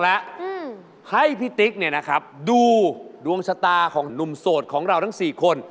อยากดูดวมเด็กของเราทั้ง๔คน